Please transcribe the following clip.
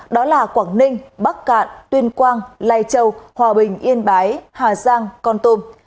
đó là quảng ninh bắc cạn tuyên quang lai châu hòa bình yên bái hà giang con tum